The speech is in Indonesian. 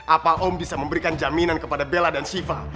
apa om bisa memberikan jaminan kepada bella dan shiva